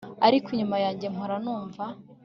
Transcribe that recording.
Ariko inyuma yanjye mpora numva